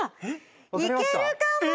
いけるかも！